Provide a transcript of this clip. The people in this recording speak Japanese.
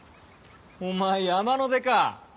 お前山の出か。